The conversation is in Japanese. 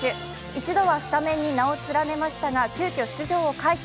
一度はスタメンに名を連ねましたが、急きょ出場を回避。